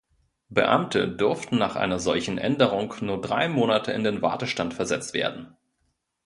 Beamte durften nach einer solchen Änderung nur drei Monate in den Wartestand versetzt werden.